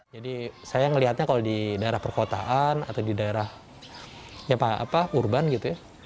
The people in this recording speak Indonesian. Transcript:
jadi saya melihatnya kalau di daerah perkotaan atau di daerah urban gitu ya